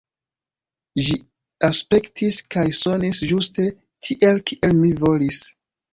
Ĝi aspektis kaj sonis ĝuste tiel, kiel mi volis.